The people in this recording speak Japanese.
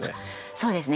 そうですね。